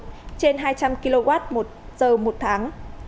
trên hai trăm linh kwh một giờ một tháng